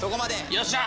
よっしゃ！